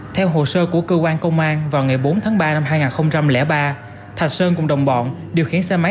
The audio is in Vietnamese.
theo hồ sơ của cơ quan công an vào ngày bốn tháng ba năm hai nghìn ba thạch sơn cùng đồng bọn điều khiển xe máy